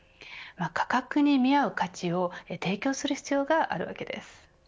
価格に見合う価値を提供する必要があるわけです。